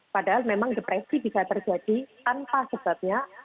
padahal memang depresi bisa terjadi tanpa sebabnya